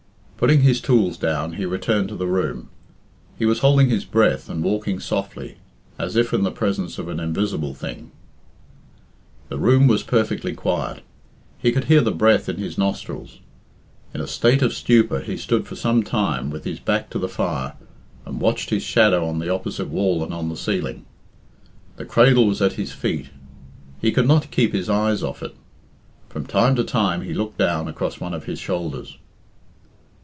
Putting his tools down, he returned to the room. He was holding his breath and walking softly, as if in the presence of an invisible thing. The room was perfectly quiet he could hear the breath in his nostrils. In a state of stupor he stood for some time with bis back to the fire and watched his shadow on the opposite wall and on the ceiling. The cradle was at his feet. He could not keep his eyes off it. From time to time he looked down across one of his shoulders.